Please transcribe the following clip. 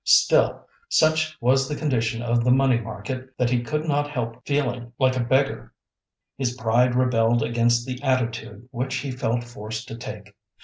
Still, such was the condition of the money market that he could not help feeling like a beggar. His pride rebelled against the attitude which he felt forced to take.